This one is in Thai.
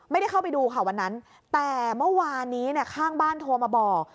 ไม่ได้เข้าไปดูค่ะวันนั้นแต่เมื่อวานนี้ข้างบ้านโทรมาบอก